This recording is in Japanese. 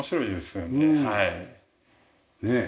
ねえ。